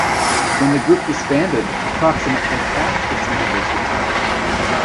When the group disbanded, approximately half its members retired.